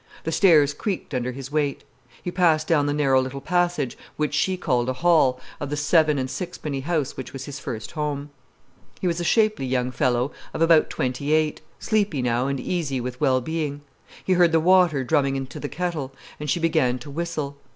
The stairs creaked under his weight. He passed down the narrow little passage, which she called a hall, of the seven and sixpenny house which was his first home. He was a shapely young fellow of about twenty eight, sleepy now and easy with well being. He heard the water drumming into the kettle, and she began to whistle.